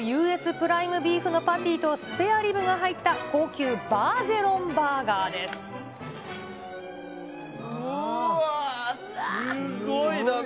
プライムビーフのパティとスペアリブが入った、高級バージェうわ、すごい。